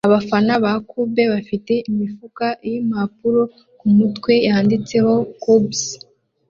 Abafana ba Cub bafite imifuka yimpapuro kumutwe yanditseho "CUBS"